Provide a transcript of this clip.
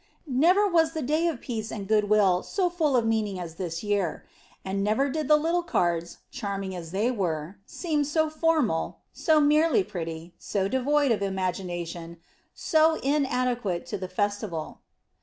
Never was the Day of Peace and Good Will so full of meaning as this year; and never did the little cards, charming as they were, seem so formal, so merely pretty, so devoid of imagination, so inadequate to the festival.